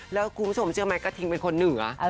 แล้วคุณผู้ชมเชื่อไหมกระทิงเป็นคนเหนือ